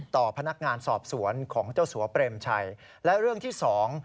ต่อพนักงานสอบสวนของเจ้าสัวเปรมชัยและเรื่องที่สอง